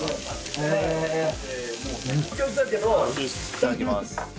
いただきます。